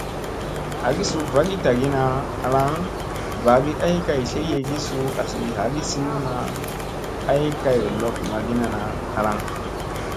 Agi suu vagii tagiina halaŋ ɓagi ay kay tlekyegi suu asi hagisuna ay kay lob magina na halaŋ.